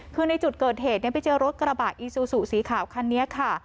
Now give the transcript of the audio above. คือในจุดเกิดเหตุไปเจอรถกระบะอีซูซูสีขาวคันนี้ค่ะ